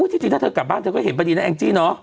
ที่จริงถ้าเธอกลับบ้านเธอก็เห็นพอดีนะแองจี้เนอะ